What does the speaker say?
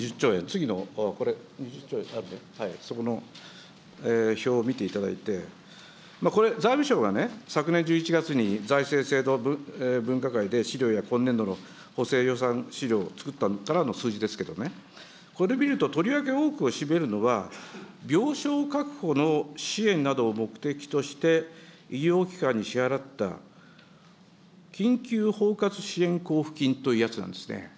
次のこれ、２０兆円あるね、そこの表を見ていただいて、これ、財務省がね、昨年１１月に財政制度分科会で資料や今年度の補正予算資料を作ったからの数字ですけれども、これ見るととりわけ多くを占めるのは病床確保の支援などを目的として、医療機関に支払った緊急包括支援交付金というやつなんですね。